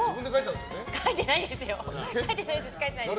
書いてないですよ。